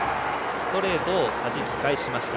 ストレートをはじき返しました。